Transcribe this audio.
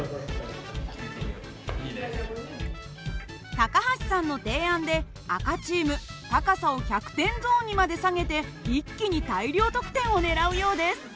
高橋さんの提案で赤チーム高さを１００点ゾーンにまで下げて一気に大量得点を狙うようです。